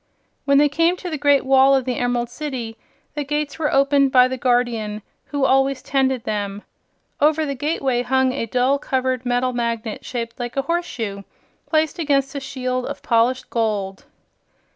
When they came to the great wall of the Emerald City, the gates were opened by the Guardian who always tended them. Over the gateway hung a dull colored metal magnet shaped like a horse shoe, placed against a shield of polished gold.